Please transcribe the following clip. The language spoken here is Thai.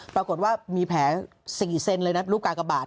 ปรากฏว่ามีแผล๔เซนเลยนะลูกกากบาท